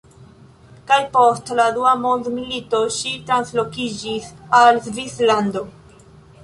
Kaj post la dua mondmilito, ŝi translokiĝis al Svislando.